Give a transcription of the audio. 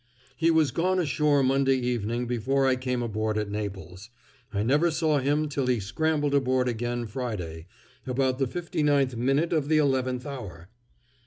"He was gone ashore Monday evening before I came aboard at Naples. I never saw him till he scrambled aboard again Friday, about the fifty ninth minute of the eleventh hour."